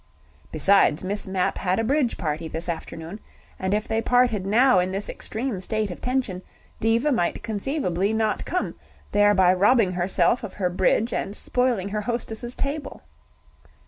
Besides Miss Mapp had a bridge party this afternoon, and if they parted now in this extreme state of tension, Diva might conceivably not come, thereby robbing herself of her bridge and spoiling her hostess's table.